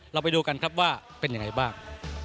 เราไปดูกันครับว่าเป็นยังไงบ้าง